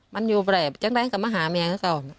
ทั้งครูก็มีค่าแรงรวมกันเดือนละประมาณ๗๐๐๐กว่าบาท